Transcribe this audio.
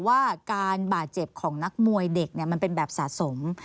ว่าการบาดเจ็บของนักมวยเด็กมันเป็นแบบสะสม